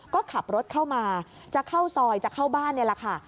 ก็ขับรถเข้ามาจะเข้าซอยจะเข้าบ้านนี่แหละค่ะ